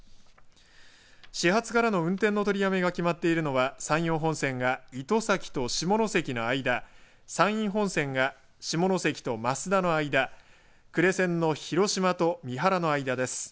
始発から運転の取りやめが決まっているのは山陽本線が糸崎と下関の間山陰本線が下関と益田の間呉線の広島と三原の間です。